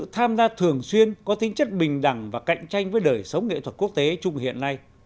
tham gia thường xuyên có tính chất bình đẳng và cạnh tranh với đời sống nghệ thuật quốc tế chung hiện nay